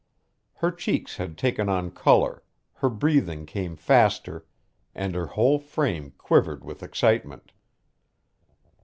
Her cheeks had taken on color, her breathing came faster, and her whole frame quivered with excitement.